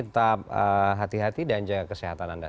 tetap hati hati dan jaga kesehatan anda